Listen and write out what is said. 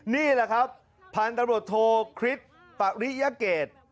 นี่แหละครับพาลตังรวจโทคริสต์ปลาริยาเกษ